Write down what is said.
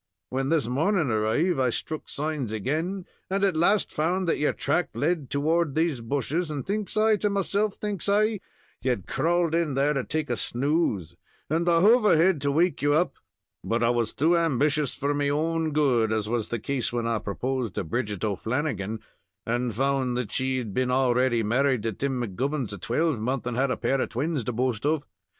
When this morning arriv', I struck signs agin, and at last found that your track led toward these bushes, and thinks I to myself, thinks I, you'd crawled in there to take a snooze, and I hove ahead to wake you up, but I was too ambitious for me own good, as was the case when I proposed to Bridget O'Flannigan, and found that she had been already married to Tim McGubbins a twelvemonth, and had a pair of twins to boast of.